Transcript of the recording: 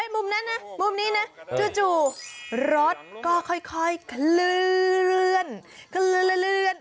มุมนั้นนะมุมนี้นะจู่รถก็ค่อยเคลื่อนเกลือน